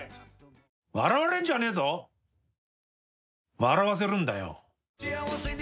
笑われんじゃねえぞ笑わせるんだよ。